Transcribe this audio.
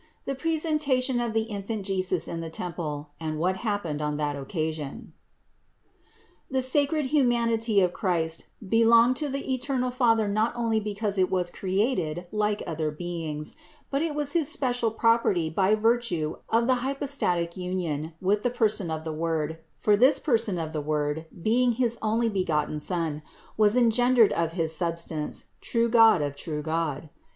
THE PRESENTATION OF THE INFANT JESUS IN THE TEMPLE AND WHAT HAPPENED ON THAT OCCASION. 596. The sacred humanity of Christ belonged to the eternal Father not only because it was created like other beings, but it was his special property by virtue of the hypostatic union with the person of the Word, for this person of the Word, being his Onlybegotten Son, was engendered of his substance, true God of true God.